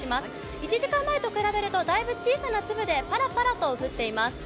１時間前と比べるとだいぶ小さな粒でパラパラと降っています。